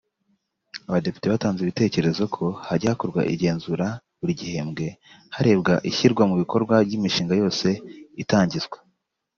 Abadepite batanze ibitekerezo ko hajya hakorwa igenzura buri gihembwe harebwa ishyirwa mu bikorwa ry’imishinga yose itangizwa